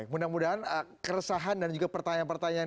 semoga keresahan dan juga pertanyaan pertanyaan